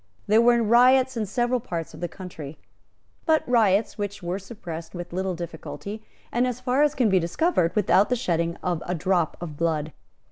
There were riots in several parts of the country, but riots which were suppressed with little difficulty, and, as far as can be discovered, without the shedding of a drop of blood.